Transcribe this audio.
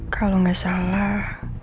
kalau gak salah